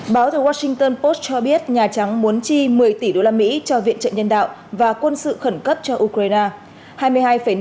báo tờ washington post cho biết nhà trắng muốn chi một mươi tỷ đô la mỹ cho viện trợ nhân đạo và quân sự khẩn cấp cho ukraine